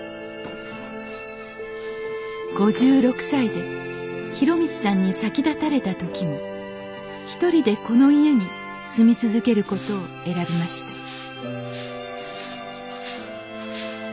５６歳で博道さんに先立たれた時も１人でこの家に住み続けることを選びました